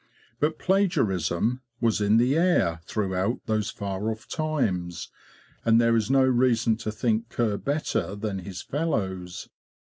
But plagiarism was in the air throughout those far off times, and there is no reason to think Kerr better than his fellows.